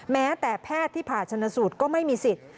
แม้แต่แพทย์ที่ผ่าชนสูตรก็ไม่มีสิทธิ์